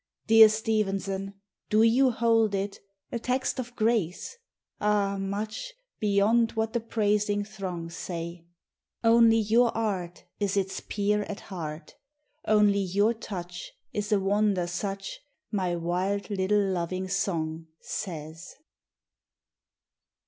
Dear Stevenson, do you hold it A text of grace, ah! much Beyond what the praising throng say: Only your art is its peer at heart, Only your touch is a wonder such, My wild little loving song says!